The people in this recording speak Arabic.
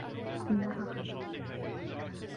انها خجولة.